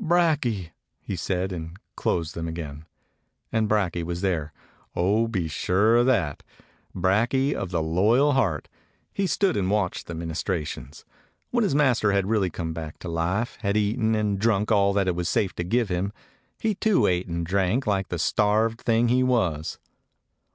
"Brakje!" he said, and closed them again. And Brakje was there — oh, be sure of that! — Brakje of the loyal heart. He stood and watched the ministrations: when his master 192 A KAFIR DOG had really come back to life, had eaten and drunk all that it was safe to give him, he too ate and drank like the starved thing he was.